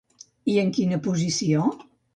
I en quina posició?